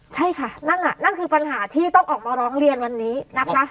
ใช่ค่ะนั่นน่ะนั่นคือปัญหาที่ต้องออกมาร้องเรียนวันนี้นะคะ